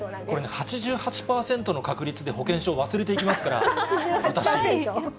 これ、８８％の確率で保険証を忘れていきますから、私。